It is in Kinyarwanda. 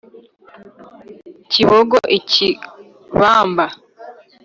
kibogo i kibamba,